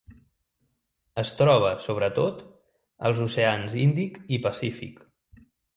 Es troba, sobretot, als oceans Índic i Pacífic.